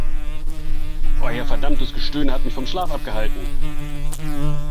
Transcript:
Euer verdammtes Gestöhne hat mich vom Schlaf abgehalten!